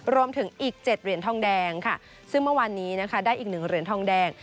รวมถึงอีก๗เหรียญทองแดงค่ะซึ่งเมื่อวานนี้นะคะได้อีก๑เหรียญทองแดง